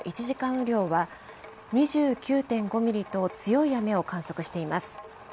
雨量は、２９．５ミリと、強い雨を観測しています。